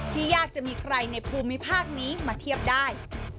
ยากจะมีใครในภูมิภาคนี้มาเทียบได้